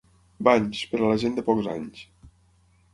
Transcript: Banys, per a la gent de pocs anys.